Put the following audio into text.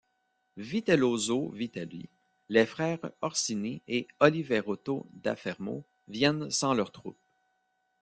Vitellozzo Vitelli, les frères Orsini et Oliverotto da Fermo viennent sans leurs troupes.